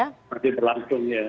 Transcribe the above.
masih berlangsung ya